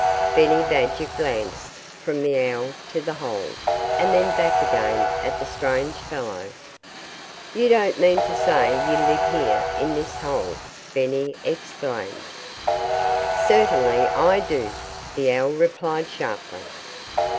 Benny Badger glanced from the owl to the hole, and then back again at the strange fellow. "You don't mean to say you live here, in this hole?" Benny exclaimed. [Illustration: Benny Seized Mr. Coyote's Paw.] "Certainly; I do," the owl replied sharply.